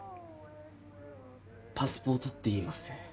「パスポート」っていいます。